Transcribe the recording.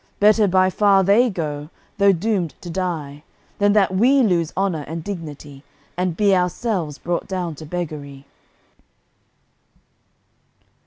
Better by far they go, though doomed to die, Than that we lose honour and dignity, And be ourselves brought down to beggary."